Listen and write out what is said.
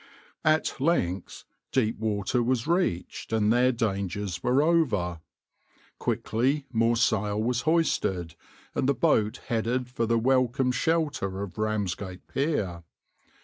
"\par At length deep water was reached, and their dangers were over. Quickly more sail was hoisted, and the boat headed for the welcome shelter of Ramsgate pier.